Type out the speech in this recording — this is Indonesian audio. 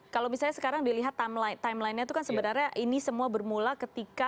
kalau misalnya sekarang dilihat timeline nya itu kan sebenarnya ini semua bermula ketika